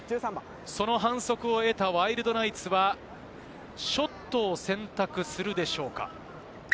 その反則を得たワイルドナイツはショットを選択するでしょうか？